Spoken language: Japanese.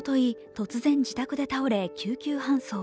突然、自宅で倒れ救急搬送。